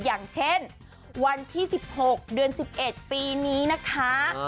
อย่างเช่นวันที่๑๖เดือน๑๑ปีนี้นะคะ